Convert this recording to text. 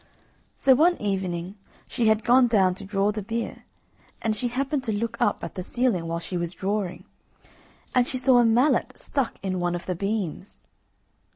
So one evening she had gone down to draw the beer, and she happened to look up at the ceiling while she was drawing, and she saw a mallet stuck in one of the beams.